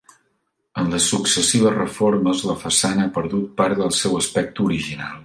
En les successives reformes la façana ha perdut part del seu aspecte original.